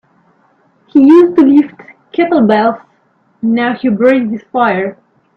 He used to lift kettlebells now he breathes fire.